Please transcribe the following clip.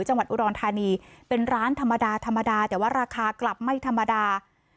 จังหวัดอุดรธานีเป็นร้านธรรมดาธรรมดาแต่ว่าราคากลับไม่ธรรมดา